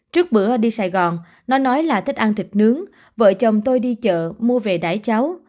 trước bữa đi sài gòn nó nói là thích ăn thịt nướng vợ chồng tôi đi chợ mua về đải cháu